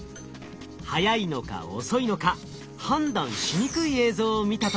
速いのか遅いのか判断しにくい映像を見た時。